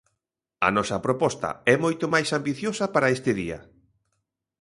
A nosa proposta é moito máis ambiciosa para este día.